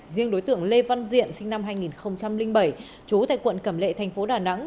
riêng đối tượng lê văn diện sinh năm hai nghìn bảy trú tại quận cẩm lệ thành phố đà nẵng